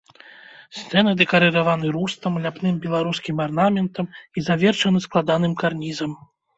Сцены дэкарыраваны рустам, ляпным беларускім арнаментам і завершаны складаным карнізам.